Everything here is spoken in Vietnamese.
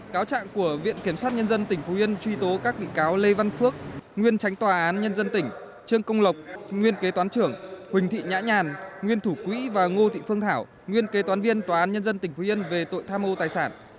cáo trạng của viện kiểm sát nhân dân tỉnh phú yên truy tố các bị cáo lê văn phước nguyên tránh tòa án nhân dân tỉnh trương công lộc nguyên kế toán trưởng huỳnh thị nhã nhàn nguyên thủ quỹ và ngô thị phương thảo nguyên kế toán viên tòa án nhân dân tỉnh phú yên về tội tham mô tài sản